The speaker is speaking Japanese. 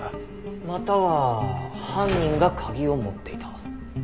または犯人が鍵を持っていた。